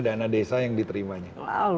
dana desa yang diterimanya